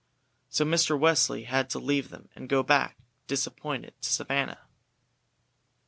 So Mr. Wesley had to leave them and go back disappointed to Savannah.